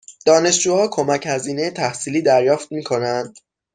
دانشجوها کمک هزینه تحصیلی دریافت می کنند؟